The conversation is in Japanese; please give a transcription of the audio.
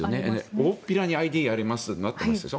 大っぴらにＩＤありますとなっていますでしょ。